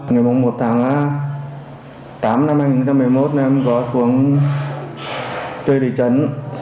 ngày mông một tháng tám năm hai nghìn một mươi một em có xuống chơi đi chấn